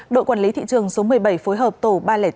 đội quản lý thị trường số một mươi bảy phối hợp tổ ba trăm linh bốn